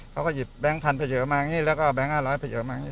ขอหยิบแบงก์๑๐๐๐ไปเยอะมาก็แบงก์๕๐๐ไปเยอะมาก็ได้